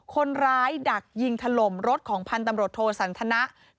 คนร้ายดักยิงถล่มรถของพันธุ์ตำรวจโทรสันทนา